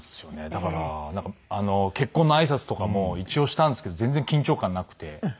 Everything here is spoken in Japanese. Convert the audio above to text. だから結婚のあいさつとかも一応したんですけど全然緊張感なくて。